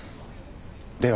では。